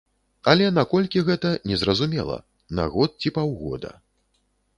Але на колькі гэта, незразумела, на год ці паўгода.